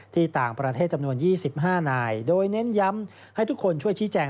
ที่ต่างประเทศจำนวน๒๕นายโดยเน้นย้ำให้ทุกคนช่วยชี้แจง